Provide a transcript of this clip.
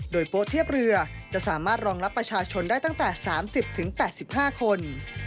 โดยโป๊เทียบเรือจะสามารถรองรับประชาชนได้ตั้งแต่๓๐๘๕คน